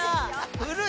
古い。